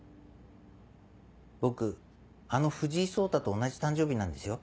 僕あの藤井聡太と同じ誕生日なんですよ。